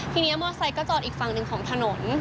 ทีนี้มอเซอร์ก็จอดอีกฝั่งหนึ่งของถนน